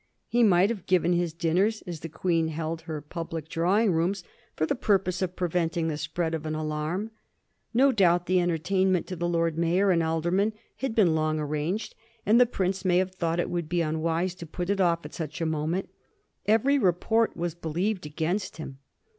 He might have given his dinners, as the Queen held her public drawing rooms, for the purpose of preventing the spread of an alarm. No doubt the en tertainment to the Lord Mayor and aldermen had been long arranged ; and the prince may have thought it would be unwise to put it off at such a moment. Every report was believed against him.